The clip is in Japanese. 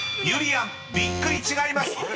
［ゆりやん「びっくり」違います。